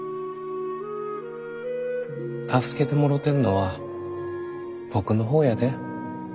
助けてもろてんのは僕の方やで。